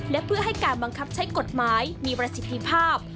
และเพื่อให้การบังคับใช้กฎหมายมีประสิทธิภาพ